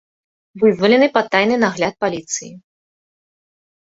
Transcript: Вызвалены пад тайны нагляд паліцыі.